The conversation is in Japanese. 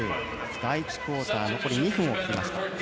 第１クオーター残り２分を切りました。